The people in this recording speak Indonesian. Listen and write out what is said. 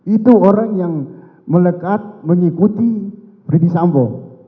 itu orang yang melekat mengikuti freddy sambo